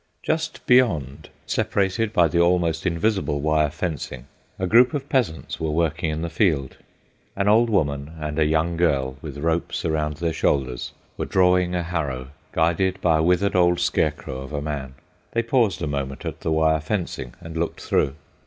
Just beyond—separated by the almost invisible wire fencing—a group of peasants were working in the field. An old woman and a young girl, with ropes about their shoulders, were drawing a harrow, guided by a withered old scarecrow of a man. They paused for a moment at the wire fencing, and looked through.